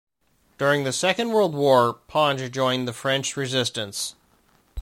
During the Second World War, Ponge joined the French Resistance.